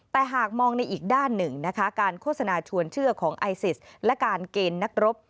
แต่หากมองในอีกด้านหนึ่งนะคะการโฆษณาชวนเชื่อของไอซิสและการเกณฑ์นักรบ